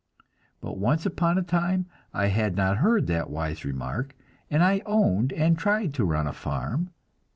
But once upon a time I had not heard that wise remark, and I owned and tried to run a farm.